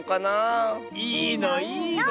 いいのいいの。